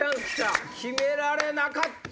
決められなかった！